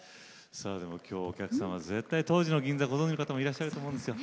きょうお客様は絶対当時の銀座ご存じの方もいらっしゃると思うんですよ。